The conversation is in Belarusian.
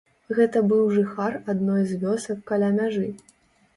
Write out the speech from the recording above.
Гэта быў жыхар адной з вёсак каля мяжы.